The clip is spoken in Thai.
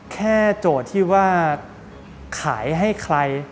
โจทย์ที่ว่าขายให้ใคร